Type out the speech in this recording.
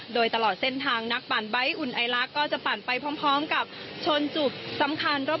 โดยตลอดเส้นทางนักปั่นใบ้อุ่นไอลักษณ์ก็จะปั่นไปพร้อมกับชนจุดสำคัญรอบ